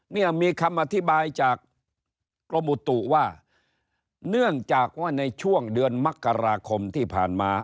เนี่ยมีคำอธิบายจากกรมอุตุว่าเนื่องจากว่าในช่วงเดือนมกราคมที่ผ่านมา